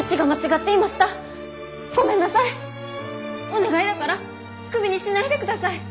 お願いだからクビにしないでください！